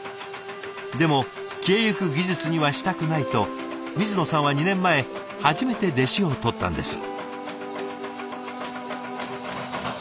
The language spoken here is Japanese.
でも消えゆく技術にはしたくないと水野さんは２年前初めて弟子をとったんです。